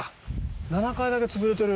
７階だけ潰れてる。